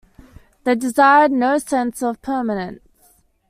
They desired no sense of permanence.